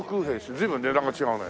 随分値段が違うね。